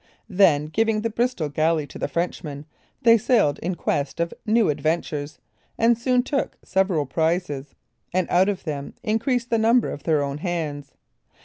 Then giving the Bristol galley to the Frenchman, they sailed in quest of new adventures, and soon took several prizes, and out of them increased the number of their own hands.